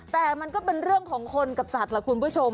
แต่มันก็เป็นเรื่องของคนกับสัตว์ล่ะคุณผู้ชม